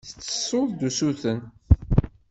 Tettessuḍ-d usuten.